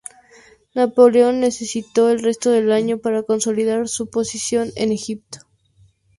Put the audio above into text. Napoleón necesitó el resto del año para consolidar su posición en Egipto.